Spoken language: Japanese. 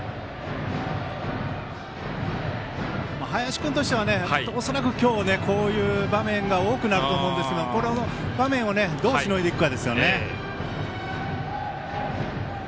林君としては恐らく、今日こういう場面が多くなると思うんですけどこの場面をどう、しのいでいくかですね。